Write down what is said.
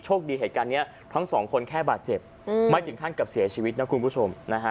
คดีเหตุการณ์นี้ทั้งสองคนแค่บาดเจ็บไม่ถึงขั้นกับเสียชีวิตนะคุณผู้ชมนะฮะ